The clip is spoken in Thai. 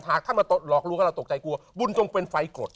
ตกใจกลัวบุญต้องเป็นไฟกรด